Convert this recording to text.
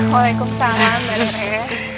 waalaikumsalam mbak nireh